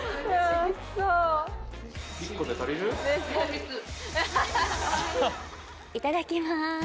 いただきます。